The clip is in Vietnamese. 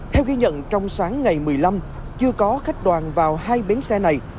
theo ghi nhận trong sáng ngày một mươi năm chưa có khách đoàn vào hai bến xe này